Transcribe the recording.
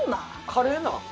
カレーなん？